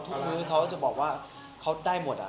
ทุกมือเขาจะบอกว่าเขาได้หมดอะ